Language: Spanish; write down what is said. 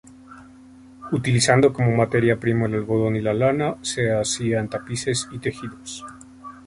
Utilizando como materia prima el algodón y la lana, se hacían tapices y tejidos.